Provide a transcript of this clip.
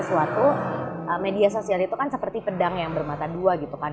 suatu media sosial itu kan seperti pedang yang bermata dua gitu kan